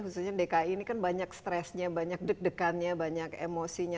khususnya dki ini kan banyak stresnya banyak deg degannya banyak emosinya